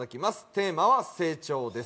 テーマは「成長」です。